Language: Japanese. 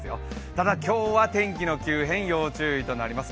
ただ今日は天気の急変要注意となります。